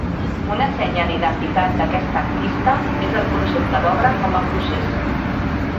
Una senya d'identitat d'aquest artista és el concepte d'obra com a procés.